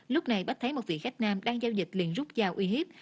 lúc này bách thấy một vị khách nam đang giao dịch liền rút dao uy hiếp